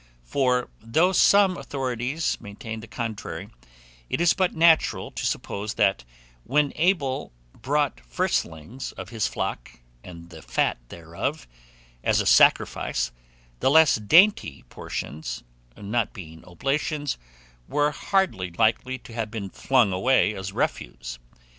For though some authorities maintain the contrary, it is but natural to suppose that when Abel brought firstlings of his flock, "and the fat thereof," as a sacrifice, the less dainty portions, not being oblations, were hardly likely to have been flung away as refuse.